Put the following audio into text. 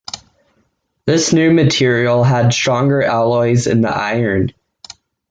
This new material had stronger alloys in the iron.